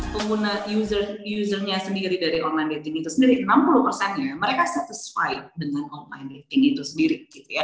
pengguna user usernya sendiri dari online dating itu sendiri enam puluh persennya mereka satisfied dengan online dating itu sendiri